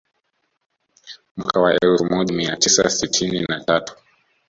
Mwaka wa elfu moja mia tisa sitini na tatu